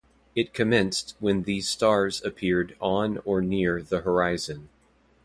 It commenced when these stars appeared on or near the horizon.